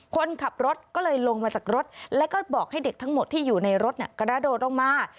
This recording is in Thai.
คนขับรถก็เลยลงมาจากรถแล้วก็บอกให้เด็กทั้งหมดที่อยู่ในรถกระโดดลงมา